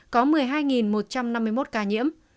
có một mươi hai một trăm năm mươi một ca nhiễm